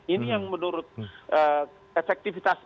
ini yang menurut efektifitas